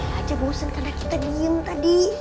kali aja bosen karena kita diem tadi